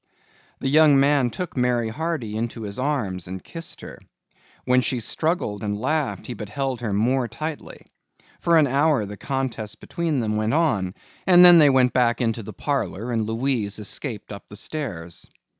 The young man took Mary Hardy into his arms and kissed her. When she struggled and laughed, he but held her the more tightly. For an hour the contest between them went on and then they went back into the parlor and Louise escaped up the stairs.